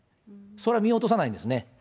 それは見落とさないんですね。